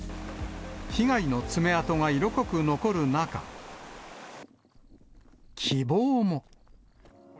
被害の爪痕が色濃く残る中、希望も。